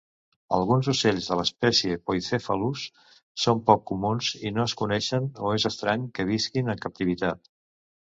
Alguns ocells de l'espècie "Poicephalus" són poc comuns i no es coneixen o és estrany que visquin en captivitat.